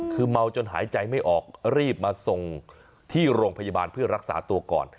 คือเมาจนหายใจไม่ออกรีบมาส่งที่โรงพยาบาลเพื่อรักษาตัวก่อน